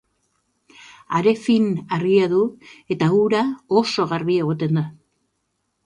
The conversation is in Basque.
Hare fin argia du eta ura oso garbi egoten da.